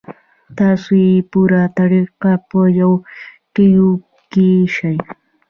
تاسو ئې پوره طريقه پۀ يو ټيوب کتے شئ -